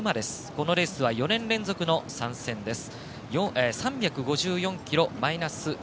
このレースは４年連続の参戦です。